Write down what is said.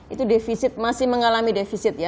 itu defisit masih mengalami defisit ya